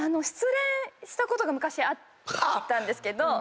したことが昔あったんですけど。